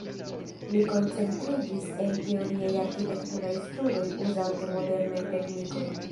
Li koncentriĝis en teoriaj arkitekturaj studoj uzante modernajn teknikojn.